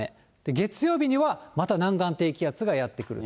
月曜日にはまた南岸低気圧がやって来ると。